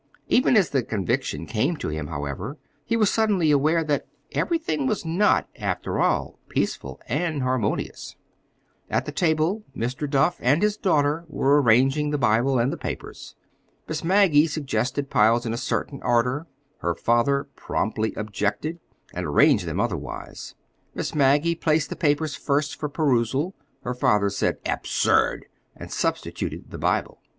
Even as the conviction came to him, however he was suddenly aware that everything was not, after all, peaceful or harmonious. At the table Mr. Duff and his daughter were arranging the Bible and the papers. Miss Maggie suggested piles in a certain order: her father promptly objected, and arranged them otherwise. Miss Maggie placed the papers first for perusal: her father said "Absurd!" and substituted the Bible.